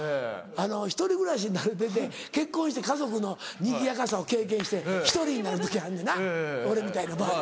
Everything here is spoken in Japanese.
１人暮らし慣れてて結婚して家族のにぎやかさを経験して１人になる時あんねな俺みたいな場合。